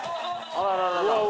あららら。